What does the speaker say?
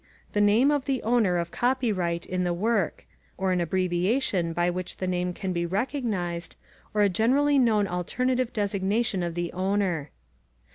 The name of the owner of copyright in the work, or an abbreviation by which the name can be recognized, or a generally known alternative designation of the owner.